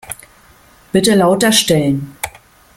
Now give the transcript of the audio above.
Bitte lauter stellen.